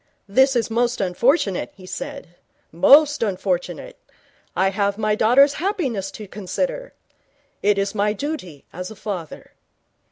'This is most unfortunate,' he said. 'Most unfortunate. I have my daughter's happiness to consider. It is my duty as a father.'